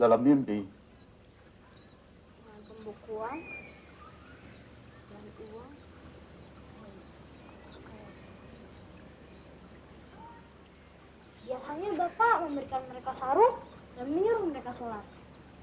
biasanya bapak memberikan mereka sarung dan menyuruh mereka sholat